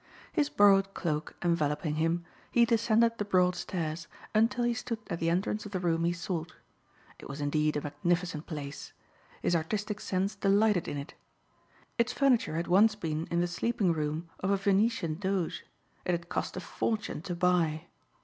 His borrowed cloak enveloping him, he descended the broad stairs until he stood at the entrance of the room he sought. It was indeed a magnificent place. His artistic sense delighted in it. Its furniture had once been in the sleeping room of a Venetian Doge. It had cost a fortune to buy.